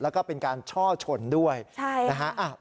แล้วก็เป็นการช่อชนด้วยนะฮะ